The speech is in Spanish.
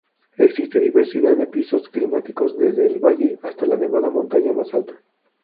Existe diversidad de pisos climáticos, desde el valle hasta la nevada montaña más alta.